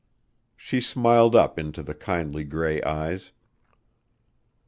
She smiled up into the kindly gray eyes.